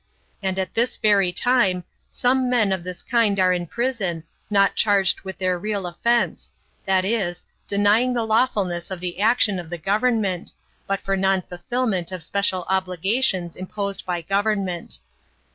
And at this very time some men of this kind are in prison, not charged with their real offense that is, denying the lawfulness of the action of the government, but for non fulfillment of special obligations imposed by government.